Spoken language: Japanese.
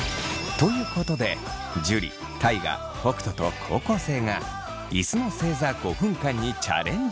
ということで樹大我北斗と高校生が椅子の正座５分間にチャレンジ。